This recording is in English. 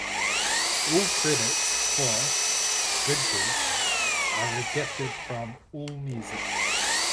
All credits for "Bridges" are adapted from Allmusic.